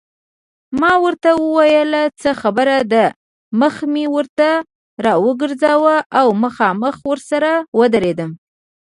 ما ورته وویل څه خبره ده، مخ مې ورته راوګرځاوه او مخامخ ورسره ودرېدم.